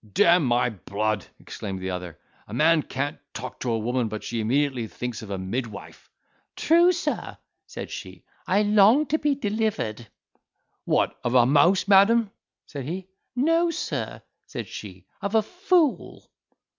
"D—mn my blood!" exclaimed the other, "a man can't talk to a woman, but she immediately thinks of a midwife." "True sir," said she, "I long to be delivered." "What of—a mouse, madam?" said he. "No, Sir," said she, "of a fool."